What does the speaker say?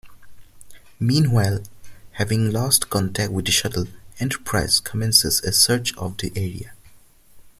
Meanwhile, having lost contact with the shuttle, "Enterprise" commences a search of the area.